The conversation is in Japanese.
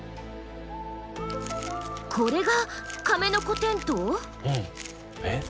これがカメノコテントウ？えっ？